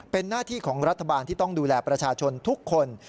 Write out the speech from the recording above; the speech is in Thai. เป็นหน้าที่ของรัฐบาลที่ต้องดูแลประชาชนทุกคน